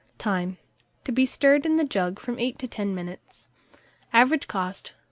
Time. To be stirred in the jug from 8 to 10 minutes. Average cost, 4d.